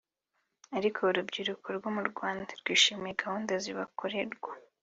Ariko urubyiruko rwo mu Rwanda rwishimira gahunda zibakorerwa